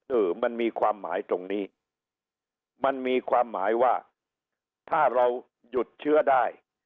เออมันมีความหมายตรงนี้มันมีความหมายว่าถ้าเราหยุดเชื้อได้